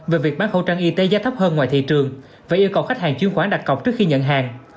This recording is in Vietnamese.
về việc bán khẩu trang y tế giá thấp hơn ngoài thị trường và yêu cầu khách hàng chuyên khoản đặt cọc trước khi nhận hàng